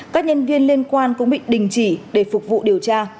các nhân viên liên quan cũng bị đình chỉ để phục vụ điều tra